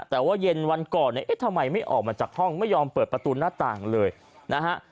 แต่ว่าเย็นวันก่อนเนี่ยเอ๊ะทำไมไม่ออกมาจากห้องไม่ยอมเปิดประตูหน้าต่างเลยนะฮะ